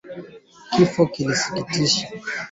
Kifiakio balikilomba kuba jirani